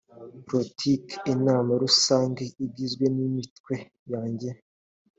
politiki inama rusange igizwe n imitwe yanjye